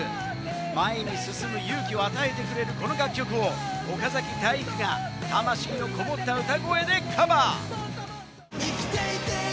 前に進む勇気を与えてくれるこの楽曲を岡崎体育が、魂のこもった歌声でカバー。